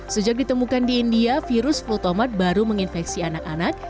sejak ditemukan di india virus flutomat baru menginfeksi anak anak